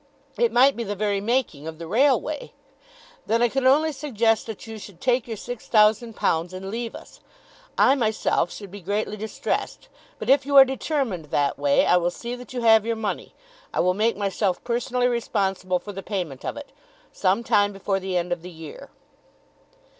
It might be the very making of the railway; then I can only suggest that you should take your £6,000 and leave us. I, myself, should be greatly distressed; but if you are determined that way I will see that you have your money. I will make myself personally responsible for the payment of it, some time before the end of the year."